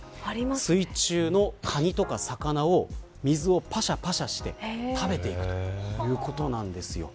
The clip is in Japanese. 水中のカニとか魚を水をぱしゃぱしゃして食べていくということなんです。